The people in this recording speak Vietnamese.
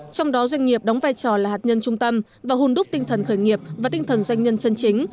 trong đó doanh nghiệp đóng vai trò là hạt nhân trung tâm và hôn đúc tinh thần khởi nghiệp và tinh thần doanh nhân chân chính